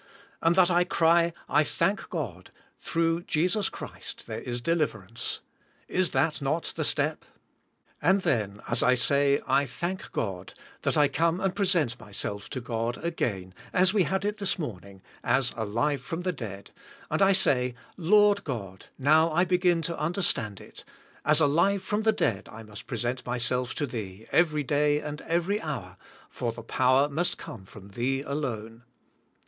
and that I cry, "I thank God, throug h Jesus Christ there is deliverance?" Is that not the step? And then as I say, "I thank God," that I come and present myself to God, again, as we had it this morning , as alive from the dead, and I say, "lyord God, now I beg in to understand it; as alive from the dead I must present myself to Thee, every day and every hour, for the power must come from Thee, alone.